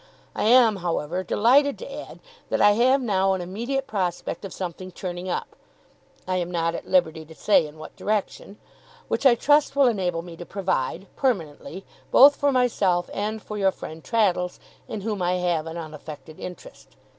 I am, however, delighted to add that I have now an immediate prospect of something turning up (I am not at liberty to say in what direction), which I trust will enable me to provide, permanently, both for myself and for your friend Traddles, in whom I have an unaffected interest.